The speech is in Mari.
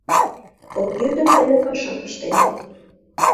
Компьютер дене пашам ыштен.